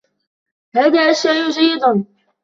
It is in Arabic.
هذا الشاي جيد.